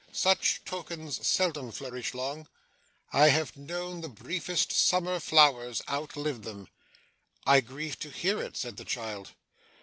Such tokens seldom flourish long. I have known the briefest summer flowers outlive them.' 'I grieve to hear it,' said the child.